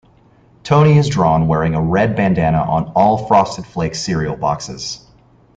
Tony is drawn wearing a red bandana on all Frosted Flakes cereal boxes.